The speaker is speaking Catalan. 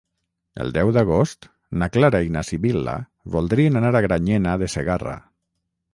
El deu d'agost na Clara i na Sibil·la voldrien anar a Granyena de Segarra.